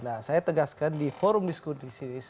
nah saya tegaskan di forum diskusi